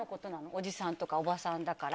おじさんとかおばさんとか。